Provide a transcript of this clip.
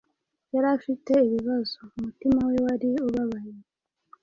yari afite ibibazo; umutima we wari ubabaye.